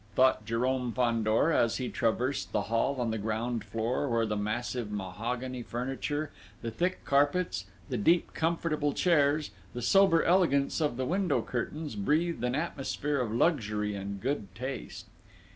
thought Jérôme Fandor as he traversed the hall on the ground floor, where the massive mahogany furniture, the thick carpets, the deep, comfortable chairs, the sober elegance of the window curtains breathed an atmosphere of luxury and good taste.